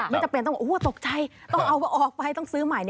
ไม่จำเป็นต้องตกใจต้องเอาออกไปต้องซื้อใหม่